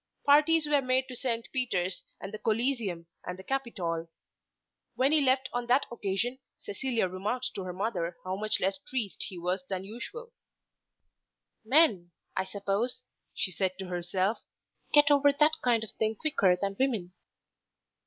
Parties were made to St. Peter's, and the Coliseum, and the Capitol. When he left on that occasion Cecilia remarked to her mother how much less triste he was than usual. "Men, I suppose," she said to herself, "get over that kind of thing quicker than women."